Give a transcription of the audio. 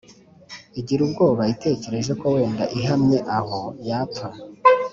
igira ubwoba itekereje ko wenda ihamye aho yapfa